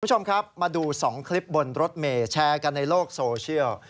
คุณผู้ชมครับมาดู๒คลิปบนรถเมย์แชร์กันในโลกโซเชียล